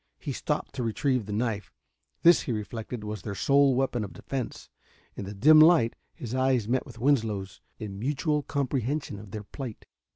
He stopped to retrieve the knife. This, he reflected, was their sole weapon of defense. In the dim light his eyes met with Winslow's in mutual comprehension of their plight.